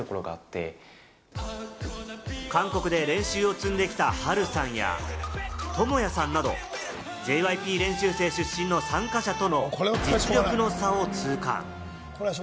韓国で練習を積んできたハルさんやトモヤさんなど、ＪＹＰ練習生出身の参加者との実力の差を痛感。